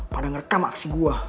pada ngerekam aksi gue